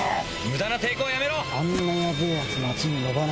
無駄な抵抗はやめろ！